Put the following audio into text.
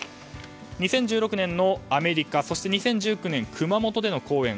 ２０１６年のアメリカそして２０１９年の熊本での講演。